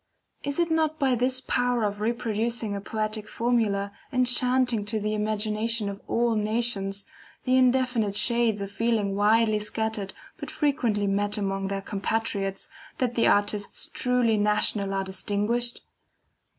Is it not by this power of reproducing in a poetic formula, enchanting to the imagination of all nations, the indefinite shades of feeling widely scattered but frequently met among their compatriots, that the artists truly national are distinguished?